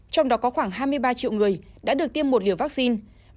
trong đó có khoảng hai mươi ba triệu người đã được tiêm một liều vaccine